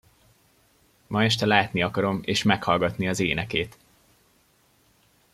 Ma este látni akarom és meghallgatni az énekét!